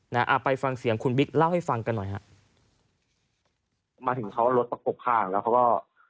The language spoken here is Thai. อ่าไปฟังเสียงคุณบิ๊กเล่าให้ฟังกันหน่อยฮะมาถึงเขารถประกบข้างแล้วเขาก็